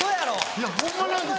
いやホンマなんです